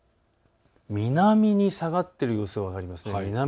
南に下がっている様子が分かりますね。